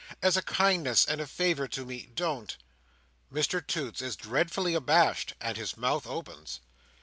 As a kindness and a favour to me, don't." Mr Toots is dreadfully abashed, and his mouth opens.